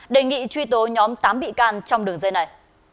đề nghị truy tố nhóm tám bị can trong đường dây này